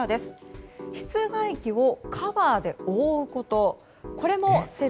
室外機をカバーで覆うこと。